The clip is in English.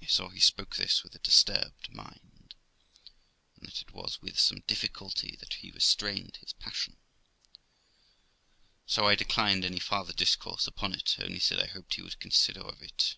I saw he spoke this with a disturbed mind, and that it was with some difficulty that he restrained his passion, so I declined any farther discourse upon it ; only said I hoped he would consider of it.